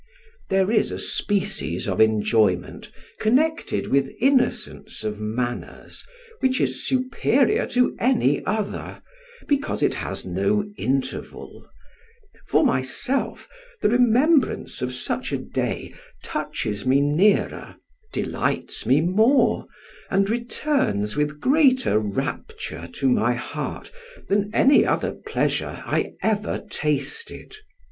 There is a species of enjoyment connected with innocence of manners which is superior to any other, because it has no interval; for myself, the remembrance of such a day touches me nearer, delights me more, and returns with greater rapture to my heart than any other pleasure I ever tasted.